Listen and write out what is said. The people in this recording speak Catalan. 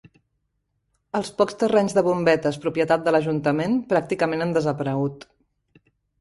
Els pocs terrenys de bombetes propietat de l'ajuntament pràcticament han desaparegut.